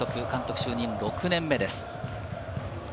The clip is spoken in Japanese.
監督就任６年目です。